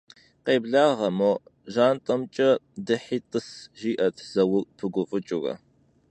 Къеблагъэ, мо жьантӏэмкӏэ дыхьи тӏыс, - жиӏэт Заур пыгуфӏыкӏыурэ.